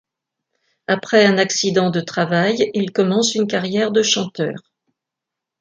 Après un accident de travail, il commence une carrière de chanteur.